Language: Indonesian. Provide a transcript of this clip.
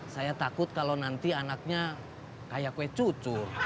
saya takut kalau nanti anaknya kayak kue cucu